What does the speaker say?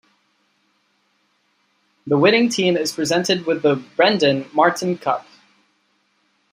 The winning team is presented with the Brendan Martin Cup.